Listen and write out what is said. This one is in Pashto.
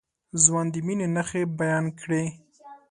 ځوان د مينې نښې بيان کړې.